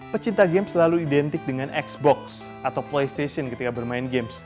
pecinta game selalu identik dengan xbox atau playstation ketika bermain games